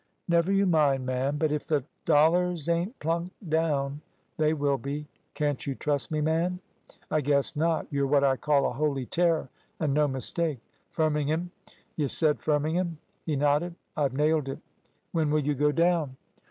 "Never you mind, ma'am. But if the dollars ain't planked down " "They will be. Can't you trust me, man?" "I guess not. You're what I call a holy terror, an' no mistake. Firmingham, y' said Firmingham." He nodded. "I've nailed it." "When will you go down?"